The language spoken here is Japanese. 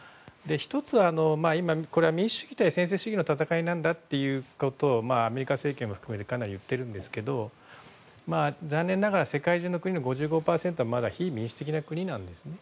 １つは、民主主義対専制主義の戦いなんだということをアメリカ政権はかなりいっていますが残念ながら世界中の国、５５％はまだ非民主的な国なんですね。